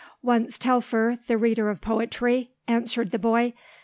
Once Telfer, the reader of poetry, answered the boy.